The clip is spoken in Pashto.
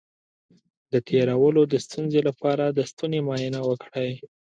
د تیرولو د ستونزې لپاره د ستوني معاینه وکړئ